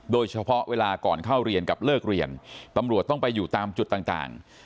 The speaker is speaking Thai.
เวลาก่อนเข้าเรียนกับเลิกเรียนตำรวจต้องไปอยู่ตามจุดต่าง